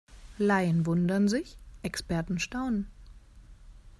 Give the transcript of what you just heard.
Laien wundern sich, Experten staunen.